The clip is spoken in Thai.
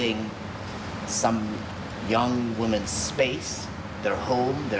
ที่จะเป็นห้องที่จะเป็นโลกที่